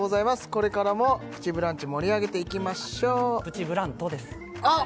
「これからもプチブランチ盛り上げていきましょー」「プチブラント」ですあっ